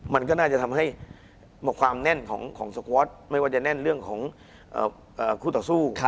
มันก็น่าจะทำให้ความแน่นของสก๊อตไม่ว่าจะแน่นเรื่องของคู่ต่อสู้